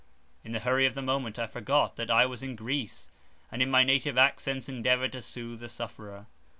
In the hurry of the moment I forgot that I was in Greece, and in my native accents endeavoured to soothe the sufferer.